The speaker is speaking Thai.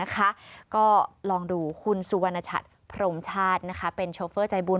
ก็ลองดูคุณสุวรรณชัดพรมชาติเป็นโชเฟอร์ใจบุญ